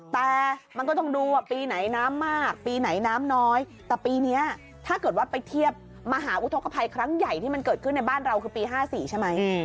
แต่มันก็ต้องดูว่าปีไหนน้ำมากปีไหนน้ำน้อยแต่ปีนี้ถ้าเกิดว่าไปเทียบมหาอุทธกภัยครั้งใหญ่ที่มันเกิดขึ้นในบ้านเราคือปี๕๔ใช่ไหม